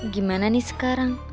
gimana nih sekarang